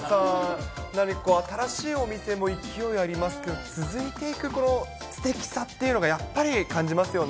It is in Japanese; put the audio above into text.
何か新しいお店も勢いありますけど、続いていくこのすてきさっていうのをやっぱり感じますよね。